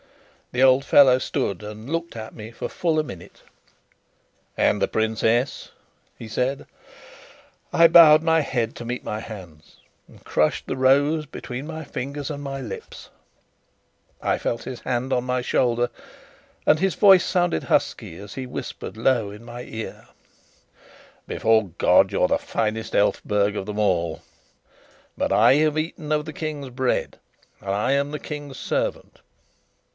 The old fellow stood and looked at me for full a minute. "And the princess?" he said. I bowed my head to meet my hands, and crushed the rose between my fingers and my lips. I felt his hand on my shoulder, and his voice sounded husky as he whispered low in my ear: "Before God, you're the finest Elphberg of them all. But I have eaten of the King's bread, and I am the King's servant.